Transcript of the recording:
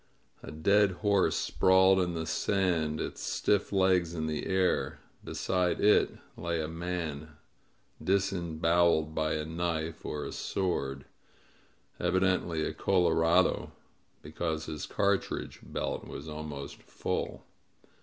A dead horse sprawled in the sand, its stiff legs in the air ; beside it lay a man, 90 MEESTER'S FLIGHT disemboweled by a knife or a sword — evidently a colo^ radoy because his cartridge belt was almost full.